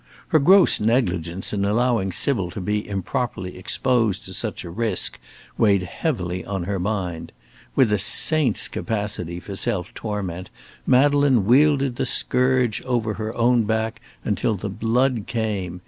Her gross negligence in allowing Sybil to be improperly exposed to such a risk weighed heavily on her mind. With a saint's capacity for self torment, Madeleine wielded the scourge over her own back until the blood came.